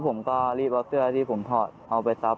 ผมก็รีบเอาเสื้อที่ผมถอดเอาไปซับ